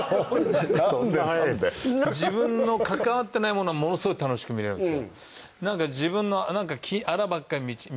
自分の関わってないものはものすごい楽しく見れるんすよ